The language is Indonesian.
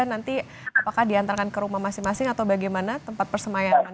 nanti apakah diantarkan ke rumah masing masing atau bagaimana tempat persemayanan